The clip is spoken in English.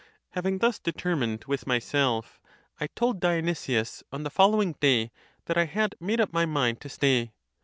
Having thus determined with myself, I told Dionysius on the following day that I had made up my mind to stay.